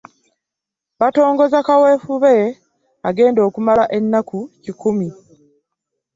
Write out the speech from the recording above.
Batongoza kaweefube agenda okumala ennaku kikumi.